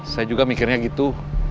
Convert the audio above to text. saya juga mikirnya begitu